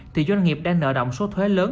thì doanh nghiệp đã nợ động số thuế lớn